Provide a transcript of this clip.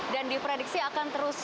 dan diprediksi akan terus